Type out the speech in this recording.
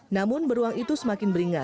namun beruang itu semakin beringat